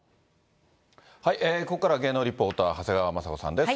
ここからは芸能リポーター、長谷川まさ子さんです。